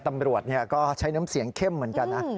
ตำรวจก็ใช้น้ำเสียงเข้มเหมือนกันนะ